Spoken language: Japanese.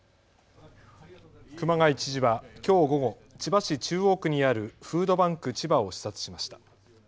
熊谷知事はきょう午後、千葉市中央区にあるフードバンクちばを視察しました。